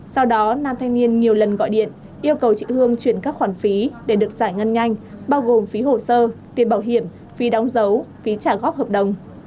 sau đó nam thanh niên nhiều lần gọi điện yêu cầu chị hương chuyển các khoản phí để được giải ngân nhanh bao gồm phí hồ sơ tiền bảo hiểm phí đóng dấu phí trả góp hợp đồng